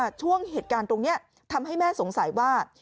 ช่วงเหตุการณ์ตรงนี้ทำให้แม่สงสัยว่า